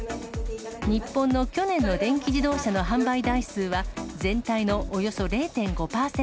日本の去年の電気自動車の販売台数は、全体のおよそ０．５％。